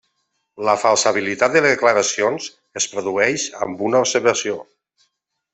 La falsabilitat de declaracions es produeix amb una observació.